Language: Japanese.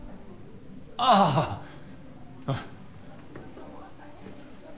ああうん。